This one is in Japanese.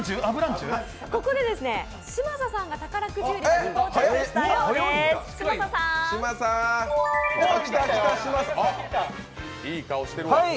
ここで嶋佐さんが宝くじ売り場に到着したようです。